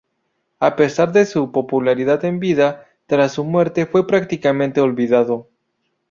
A pesar de su popularidad en vida, tras su muerte fue prácticamente olvidado.